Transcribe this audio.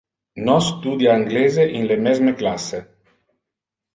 Nos studia anglese in le mesme classe.